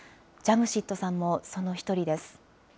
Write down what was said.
ジャムシッドさんもその一人です。